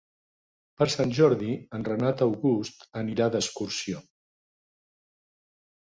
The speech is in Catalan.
Per Sant Jordi en Renat August anirà d'excursió.